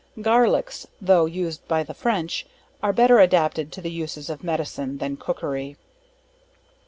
Garlicks, tho' used by the French, are better adapted to the uses of medicine than cookery.